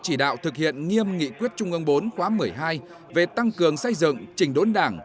chỉ đạo thực hiện nghiêm nghị quyết trung ương bốn khóa một mươi hai về tăng cường xây dựng trình đốn đảng